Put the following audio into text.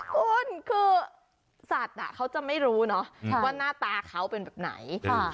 คุณคือสัตว์เขาจะไม่รู้เนอะว่าหน้าตาเขาเป็นแบบไหน